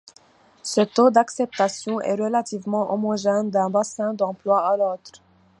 Ce taux d’acceptation est relativement homogène d’un bassin d’emploi à l’autre.